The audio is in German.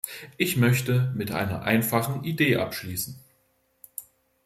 Ich möchte mit einer einfachen Idee abschließen.